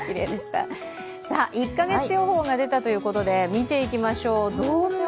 １か月予報が出たということで見ていきましょう。